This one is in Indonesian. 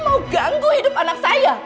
mau ganggu hidup anak saya